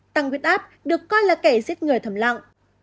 tăng huyết áp được coi là kẻ giết người thầm lặng